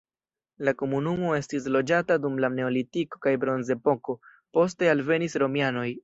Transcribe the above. La komunumo estis loĝata dum la neolitiko kaj bronzepoko, poste alvenis romianoj.